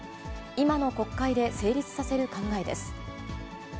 今の国会で成立させる考えです。